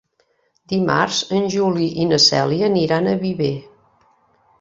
Dimarts en Juli i na Cèlia aniran a Viver.